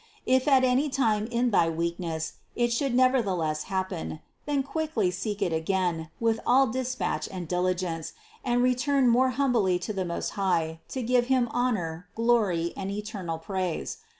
If at any time in thy weakness it should nevertheless happen, then quickly seek it again with all dispatch and diligence and return more humbly to the Most High to give Him honor, glory and eternal praise.